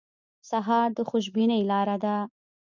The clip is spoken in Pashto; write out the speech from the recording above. سهار د خوشبینۍ لاره ده.